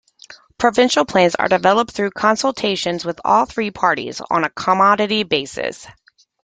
Provincial plans are developed through consultations with all three parties on a commodity basis.